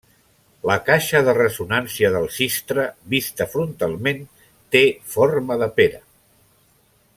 La caixa de ressonància del cistre, vista frontalment, té forma de pera.